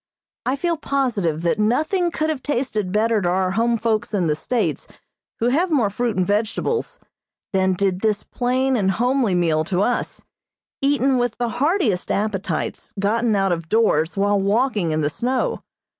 I feel positive that nothing could have tasted better to our home folks in the States who have more fruit and vegetables than did this plain and homely meal to us, eaten with the heartiest appetites gotten out of doors while walking in the snow.